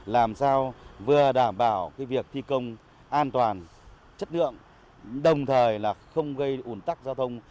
làm sao vừa đảm bảo việc thi công an toàn chất lượng đồng thời là không gây ủn tắc giao thông